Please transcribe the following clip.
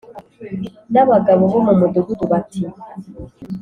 n abagabo bo mu mudugudu bati